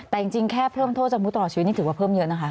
แต่จริงแค่เพิ่มโทษจำคุกตลอดชีวิตนี่ถือว่าเพิ่มเยอะนะคะ